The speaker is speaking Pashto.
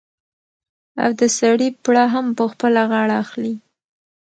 او د سړي پړه هم په خپله غاړه اخلي.